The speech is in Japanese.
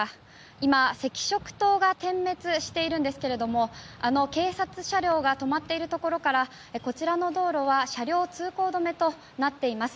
今、赤色灯が点滅しているんですがあの警察車両が止まっているところからこちらの道路は車両通行止めとなっています。